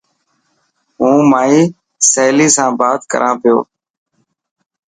هون مائي سهيلي سان بات ڪران پئي.